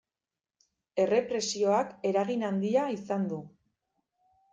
Errepresioak eragin handia izan du.